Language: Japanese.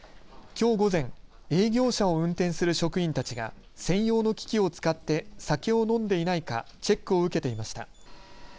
きょう午前、営業車を運転する職員たちが専用の機器を使って酒を飲んでいないかチェックを受けていました。